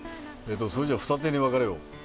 それじゃ二手に分かれよう。